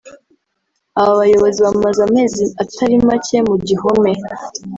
Aba bayobozi bamaze amezi atari macye mu gihome